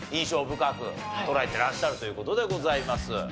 深く捉えてらっしゃるという事でございます。